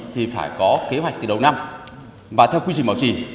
thì phải có kế hoạch từ đầu năm và theo quy trình bảo trì